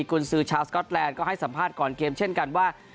คุณซื้อชาวสก๊อตแลนด์ก็ให้สัมภาษณ์ก่อนเกมเช่นกันว่า